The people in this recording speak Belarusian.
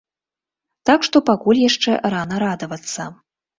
Так што пакуль яшчэ рана радавацца.